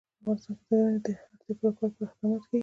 په افغانستان کې د منی د اړتیاوو پوره کولو لپاره اقدامات کېږي.